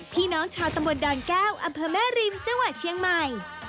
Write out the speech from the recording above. พี่น้องชาวตำบลดอนแก้วอำเภอแม่ริมจังหวัดเชียงใหม่